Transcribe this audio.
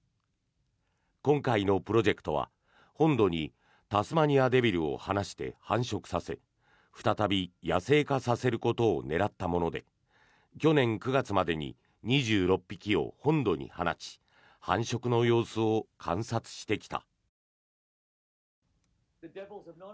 今回のプロジェクトは本土にタスマニアデビルを放して繁殖させ再び野生化させることを狙ったもので、去年９月までに２６匹を本土に放ち繁殖の様子を観察してきた。